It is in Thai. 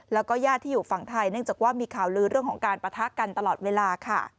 แล้วก็ญาติที่อยู่ฝั่งไทยเนื่องจากว่ามีข่าวลือเรื่องของการปะทะกันตลอดเวลาค่ะ